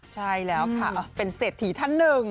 ใช่แล้วค่ะเป็นเศรษฐีท่านหนึ่ง